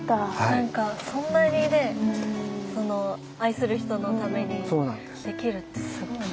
何かそんなにね愛する人のためにできるってすごい。